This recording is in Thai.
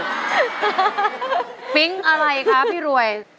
ฟริ้งค์อะไรคะพี่รวย